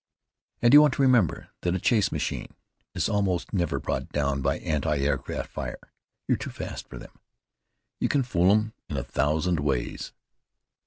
"And you want to remember that a chasse machine is almost never brought down by anti aircraft fire. You are too fast for them. You can fool 'em in a thousand ways."